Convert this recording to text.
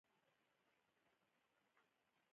هغوی د سړک پر غاړه د آرام دریاب ننداره وکړه.